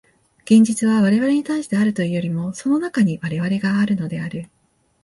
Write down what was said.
現実は我々に対してあるというよりも、その中に我々があるのである。